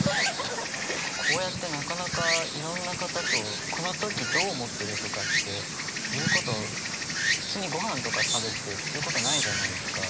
こうやってなかなかいろんな方とこの時どう思ってるとかっていうこと普通にごはんとか食べててすることないじゃないですか。